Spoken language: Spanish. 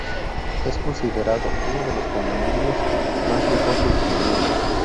Es considerado uno de los condominios más lujosos de Manila.